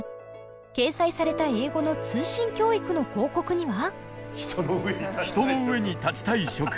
掲載された英語の通信教育の広告には。